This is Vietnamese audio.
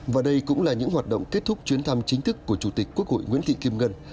và đây cũng là những hoạt động kết thúc chuyến thăm chính thức của chủ tịch quốc hội nguyễn thị kim ngân